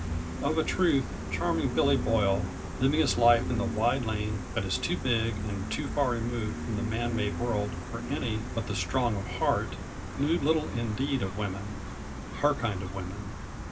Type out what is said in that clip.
_ Of a truth, Charming Billy Boyle, living his life in the wide land that is too big and too far removed from the man made world for any but the strong of heart, knew little indeed of women her kind of women.